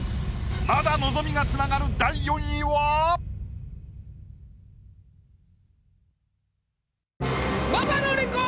まだ望みがつながる馬場典子！